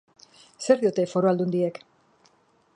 Zer diote foru aldundiek?